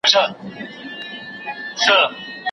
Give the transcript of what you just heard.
هم ښکرونه هم یې پښې پکښی لیدلې